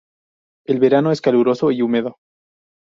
El verano es caluroso y húmedo.